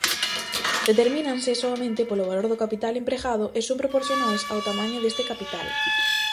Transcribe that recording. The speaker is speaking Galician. Determínanse soamente polo valor do capital empregado e son proporcionais ao tamaño deste capital.